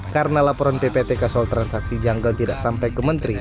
karena laporan ppatk soal transaksi janggal tidak sampai ke menteri